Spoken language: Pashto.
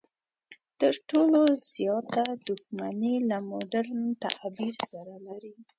تر ټولو زیاته دښمني له مډرن تعبیر سره لري.